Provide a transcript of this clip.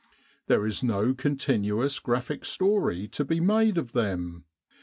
There is no con tinuous graphic story to be made of them.